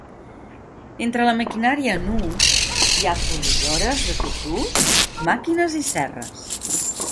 Entre la maquinària en ús hi ha polidores de tot ús, màquines i serres.